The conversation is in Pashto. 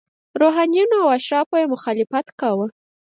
روحانینو او اشرافو یې مخالفت کاوه.